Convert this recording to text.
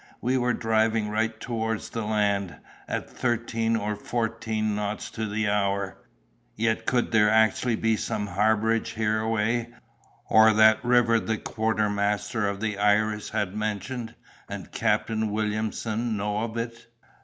We were driving right towards the land, at thirteen or fourteen knots to the hour—yet could there actually be some harborage hereaway, or that river the quartermaster of the Iris had mentioned, and Captain Williamson know of it?